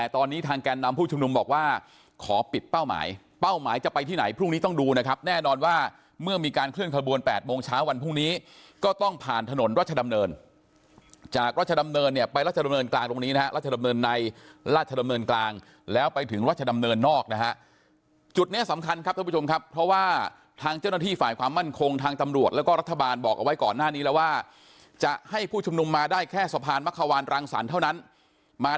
ต้องผ่านถนนรัฐดำเนินจากรัฐดำเนินเนี่ยไปรัฐดำเนินกลางตรงนี้นะฮะรัฐดำเนินในรัฐดำเนินกลางแล้วไปถึงรัฐดำเนินนอกนะฮะจุดเนี้ยสำคัญครับท่านผู้ชมครับเพราะว่าทางเจ้าหน้าที่ฝ่ายความมั่นคงทางตำรวจแล้วก็รัฐบาลบอกเอาไว้ก่อนหน้านี้แล้วว่าจะให้ผู้ชมนุมมาได้แค่สะพานม